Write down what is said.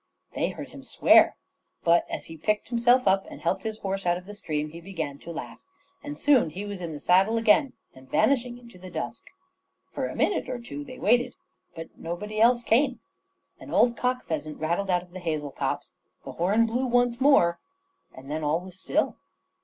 They heard him swear, but as he picked himself up and helped his horse out of the stream he began to laugh, and soon he was in the saddle again and vanishing into the dusk. For a minute or two they waited, but nobody else came. An old cock pheasant rattled out of the hazel copse. The horn blew once more, and then all was still.